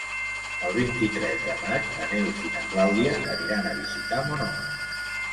El vint-i-tres de maig na Neus i na Clàudia aniran a visitar mon oncle.